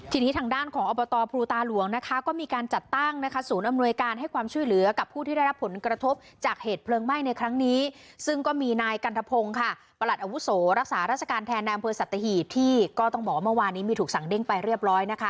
ทีนี้ทางด้านของอบตภูตาหลวงนะคะก็มีการจัดตั้งนะคะศูนย์อำนวยการให้ความช่วยเหลือกับผู้ที่ได้รับผลกระทบจากเหตุเพลิงไหม้ในครั้งนี้ซึ่งก็มีนายกันทพงศ์ค่ะประหลัดอาวุโสรักษาราชการแทนในอำเภอสัตหีบที่ก็ต้องบอกว่าเมื่อวานนี้มีถูกสั่งเด้งไปเรียบร้อยนะคะ